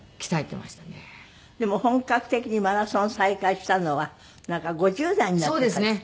でも本格的にマラソンを再開したのは５０代になってからですって？